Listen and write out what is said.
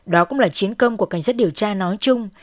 đó cũng là chiến công của cảnh sát điều tra nói chung